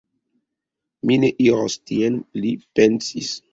Mi ne iros tien, li pensis.